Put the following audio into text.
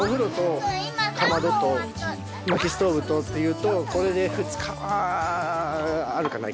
っていうとこれで。